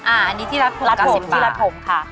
อันนี้ที่รัดผมที่รัดผมค่ะ